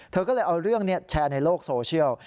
เธอก็เลยเอาเรื่องแชร์ในโลกโซเชียล